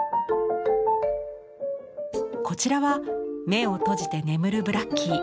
こちらは目を閉じて眠るブラッキー。